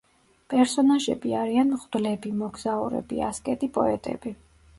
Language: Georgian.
პერსონაჟები არიან მღვდლები, მოგზაურები, ასკეტი პოეტები.